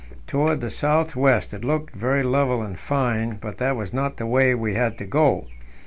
Towards the south west it looked very level and fine, but that was not the way we had to go.